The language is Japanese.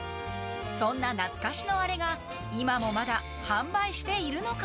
そんな懐かしのあれが今もまだ販売しているのか？